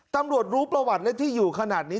ตำรวจรู้ประวัติและที่อยู่ขนาดนี้